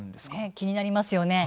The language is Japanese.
気になりますよね。